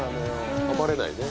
暴れないね。